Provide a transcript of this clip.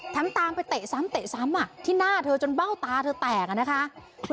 ทำตามไปเตะซ้ำที่หน้าเธอจนเบ้าตาเธอแตก